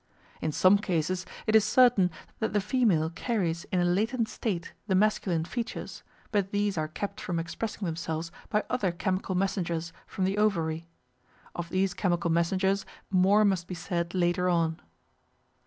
In some cases it is certain that the female carries in a latent state the masculine features, but these are kept from expressing themselves by other chemical messengers from the ovary. Of these chemical messengers more must be said later on.